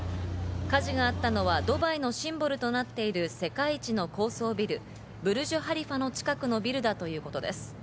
火事があったのはドバイのシンボルとなっている世界一の高層ビル、ブルジュ・ハリファの近くのビルだということです。